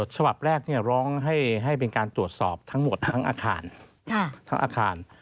ฉบับแรกร้องให้เป็นการตรวจสอบทั้งหมดทั้งอาคาร